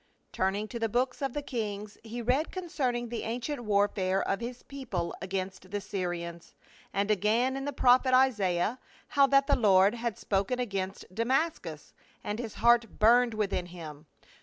Turning to the books of the Kings he read concern ing the ancient warfare of his people against the Syrians, and again in the prophet Isaiah how that the Lord had spoken against Damascus ; and his heart burned within him.